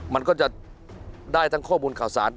มันก็จะได้ทั้งข้อมูลข่าวสาร